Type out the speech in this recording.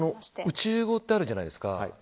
宇宙語ってあるじゃないですか。